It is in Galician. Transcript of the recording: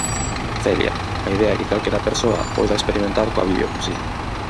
Celia: A idea é que calquera persoa poida experimentar coa videopoesía.